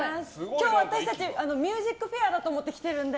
今日、私たち「ＭＵＳＩＣＦＡＩＲ」だと思って来ているので。